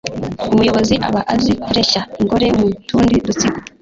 Umuyobozi aba azi kureshya ingore mu tundi dutsiko,